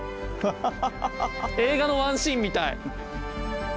映画のワンシーンみたい。